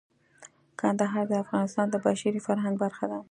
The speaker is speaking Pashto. کندهار د افغانستان د بشري فرهنګ برخه ده.